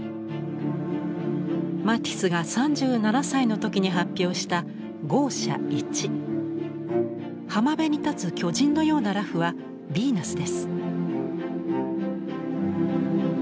マティスが３７歳の時に発表した浜辺に立つ巨人のような裸婦はヴィーナスです。